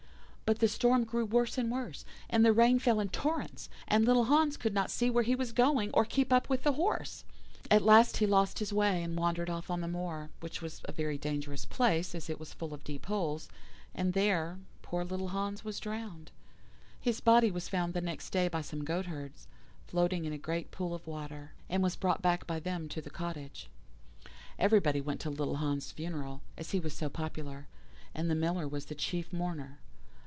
"But the storm grew worse and worse, and the rain fell in torrents, and little Hans could not see where he was going, or keep up with the horse. At last he lost his way, and wandered off on the moor, which was a very dangerous place, as it was full of deep holes, and there poor little Hans was drowned. His body was found the next day by some goatherds, floating in a great pool of water, and was brought back by them to the cottage. "Everybody went to little Hans' funeral, as he was so popular, and the Miller was the chief mourner.